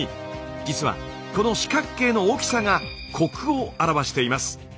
実はこの四角形の大きさがコクを表しています。